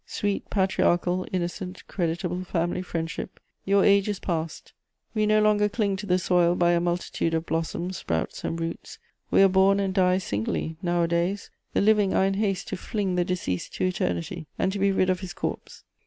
Sweet, patriarchal, innocent, creditable family friendship, your age is past! We no longer cling to the soil by a multitude of blossoms, sprouts and roots; we are born and die singly nowadays. The living are in haste to fling the deceased to Eternity, and to be rid of his corpse.